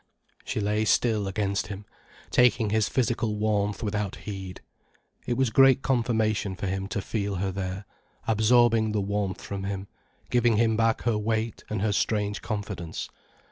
She lay still against him, taking his physical warmth without heed. It was great confirmation for him to feel her there, absorbing the warmth from him, giving him back her weight and her strange confidence.